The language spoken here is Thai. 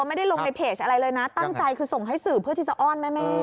ไม่ได้ลงในเพจอะไรเลยนะตั้งใจคือส่งให้สื่อเพื่อที่จะอ้อนแม่